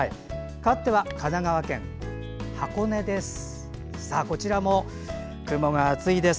かわっては神奈川県箱根です。